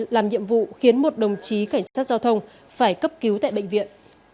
làm nhiệm vụ khiến một đồng chí cảnh sát giao thông phải cấp cứu tại bệnh viện